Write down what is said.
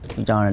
tôi cho là đúng